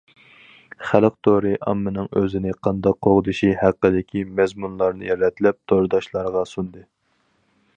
خەلق تورى ئاممىنىڭ ئۆزىنى قانداق قوغدىشى ھەققىدىكى مەزمۇنلارنى رەتلەپ، تورداشلارغا سۇندى.